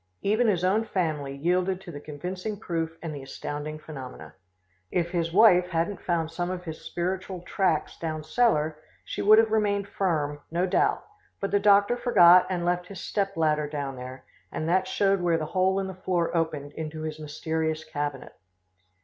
Even his own family yielded to the convincing proof and the astounding phenomena. If his wife hadn't found some of his spiritual tracks down cellar, she would have remained firm, no doubt, but the doctor forgot and left his step ladder down there, and that showed where the hole in the floor opened into his mysterious cabinet.